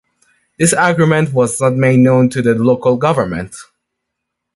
This agreement was not made known to the local government.